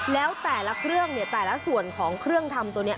แล้วแต่ละเครื่องเนี่ยแต่ละส่วนของเครื่องทำตัวนี้